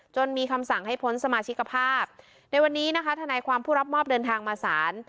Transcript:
มีคำสั่งให้พ้นสมาชิกภาพในวันนี้นะคะทนายความผู้รับมอบเดินทางมาศาล